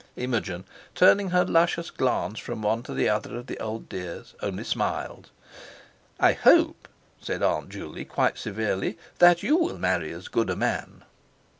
Imogen, turning her luscious glance from one to the other of the "old dears," only smiled. "I hope," said Aunt Juley quite severely, "that you will marry as good a man."